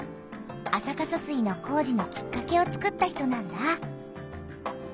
安積疏水の工事のきっかけをつくった人なんだ。